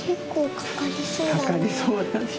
かかりそうでしょ。